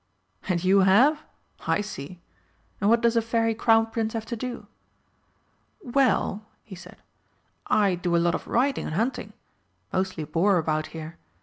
"And you have? I see. And what does a Fairy Crown Prince have to do?" "Well," he said, "I do a lot of riding and hunting. Mostly boar about here.